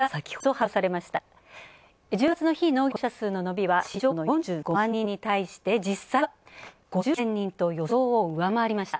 １０月の非農業部門の雇用者数の伸びは市場予想の４５万人に対して実際は５３万１０００人と予想を上回りました。